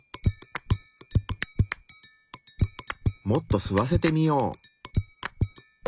もっと吸わせてみよう。